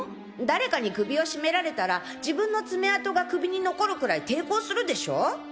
誰かに首を絞められたら自分の爪痕が首に残るくらい抵抗するでしょ？